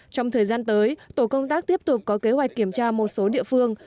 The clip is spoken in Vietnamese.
trong thời gian tới tổ công tác tiếp tục có kế hoạch kiểm tra một số địa phương